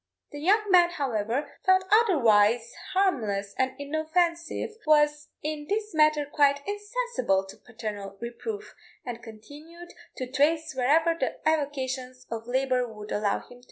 The young man, however, though otherwise harmless and inoffensive, was in this matter quite insensible to paternal reproof, and continued to trace whenever the avocations of labour would allow him.